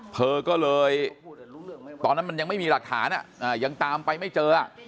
เธอก็เลยตอนนั้นมันยังไม่มีหลักฐานยังตามไปไม่เจอ